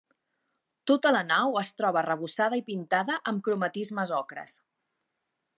Tota la nau es troba arrebossada i pintada amb cromatismes ocres.